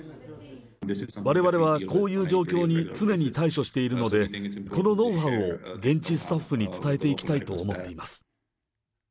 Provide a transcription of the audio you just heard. われわれはこういう状況に常に対処しているので、このノウハウを現地スタッフに伝えていきたいと思っています。